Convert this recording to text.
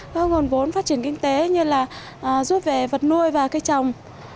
có nguồn vốn phát triển kinh tế như là giúp về vật nuôi và cây trồng